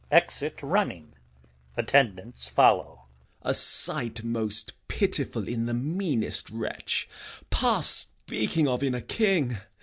Exit running. [Attendants follow.] Gent. A sight most pitiful in the meanest wretch, Past speaking of in a king!